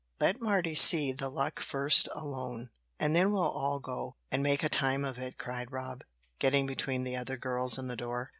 Let Mardy see the luck first alone, and then we'll all go, and make a time of it," cried Rob, getting between the other girls and the door.